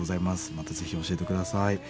またぜひ教えて下さい。